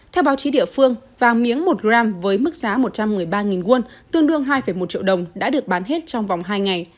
theo báo chí địa phương vàng miếng một gram với mức giá một trăm một mươi ba won được bán với giá bảy mươi bảy won